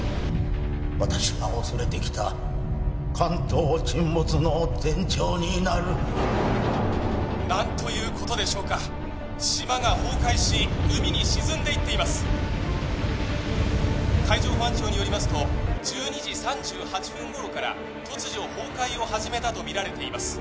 私が恐れてきた関東沈没の前兆になる何ということでしょうか島が崩壊し海に沈んでいっています海上保安庁によりますと１２時３８分頃から突如崩壊を始めたとみられています